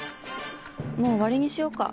もう終わりにしようか。